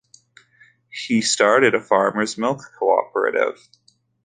He started a farmers' milk cooperative.